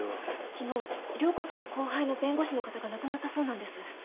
昨日涼子さんの後輩の弁護士の方が亡くなったそうなんです。